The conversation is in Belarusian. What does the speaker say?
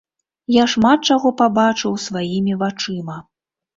Я шмат чаго пабачыў сваімі вачыма.